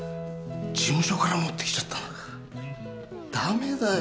事務所から持って来ちゃったのか。ダメだよ。